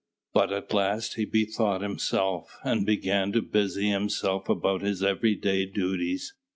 But at last he bethought himself, and began to busy himself about his every day duties.